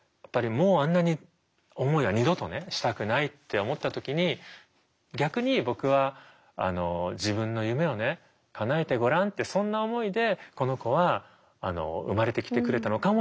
もうあんな思いは二度とねしたくないって思った時に逆に僕は自分の夢をねかなえてごらんってそんな思いでこの子は生まれてきてくれたのかもしれない。